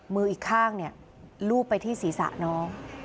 มืออีกข้างเนี่ยลูบไปที่ศีรษะน้อง